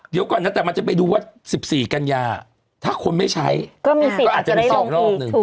เดี๋ยวก่อนนะแต่มันจะไปดูว่า๑๔กันยาถ้าคนไม่ใช้ก็อาจจะมี๒รอบหนึ่ง